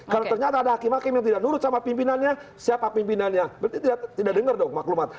karena ternyata ada hakim hakim yang tidak nurut sama pimpinannya siapa pimpinannya berarti tidak denger dong maklumat